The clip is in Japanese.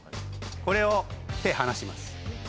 これを手離します